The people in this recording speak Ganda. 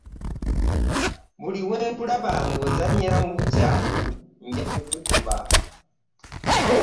Buli wenkulaba nga ozanyira mu bikyafu nja kukuba.